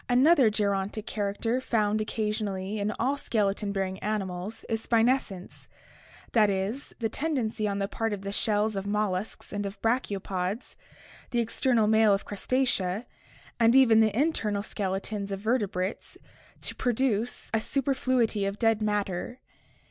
— Another gerontic character found occasionally in all skeleton bearing animals is spinescence, that is, the tendency on the part of the shells of molluscs and of brachiopods, the external mail of Crustacea, and even the internal skeletons of vertebrates to produce a superfluity of dead matter.